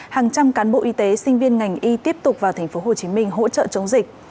hàng trăm cán bộ y tế sinh viên ngành y tiếp tục vào tp hcm hỗ trợ chống dịch